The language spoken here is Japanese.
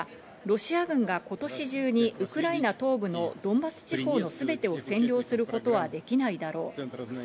さらに報告書は、ロシア軍が今年中にウクライナ東部のドンバス地方のすべてを占領することはできないだろう。